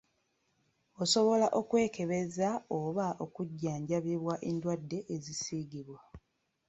Osobola okwekebeza oba okujjanjabibwa endwadde ezisiigibwa.